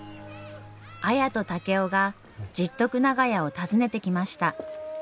綾と竹雄が十徳長屋を訪ねてきました。